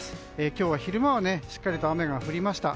今日は、昼間はしっかりと雨が降りました。